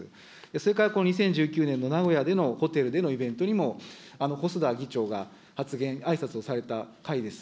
それからこの２０１９年の名古屋でのホテルでのイベントにも細田議長が発言、あいさつをされた会です。